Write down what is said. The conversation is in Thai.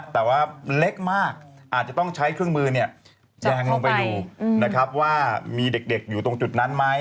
แต่ว่าเล็กมากอาจจะต้องใช้เครื่องมือแยงลงไปดูนะครับว่ามีเด็กอยู่ตรงจุดนั้นไหม